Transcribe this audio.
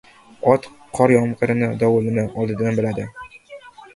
Ot qor-yomg‘irni, dovulni oldindan biladi.